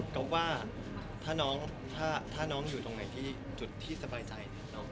ก็ว่าถ้าน้องอยู่ตรงไหนที่สบายใจ